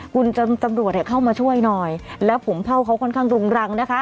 คุณตำรวจเข้ามาช่วยหน่อยแล้วผมเผ่าเขาค่อนข้างรุงรังนะคะ